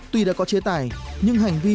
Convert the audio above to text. tuy đã có chế tài nhưng hành vi vui